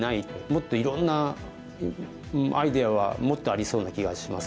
もっといろんなアイデアはもっとありそうな気がしますね。